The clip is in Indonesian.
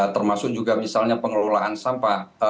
termasuk juga misalnya pengelolaan sampah